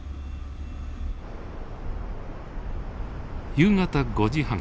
夕方５時半。